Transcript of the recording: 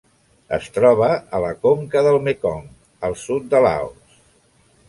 Es troba a la conca del Mekong al sud de Laos.